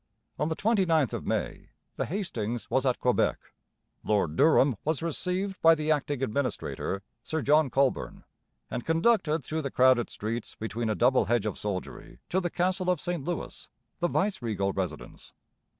On the twenty ninth of May the Hastings was at Quebec. Lord Durham was received by the acting administrator, Sir John Colborne, and conducted through the crowded streets between a double hedge of soldiery to the Castle of St Louis, the vice regal residence.